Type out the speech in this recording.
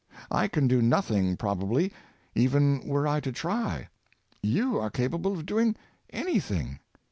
/ could do nothing, probably, even were I to try : you are capable of doing any thing.